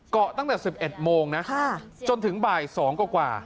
เกาะตั้งแต่๑๑โมงนะจนถึงบ่าย๒กว่า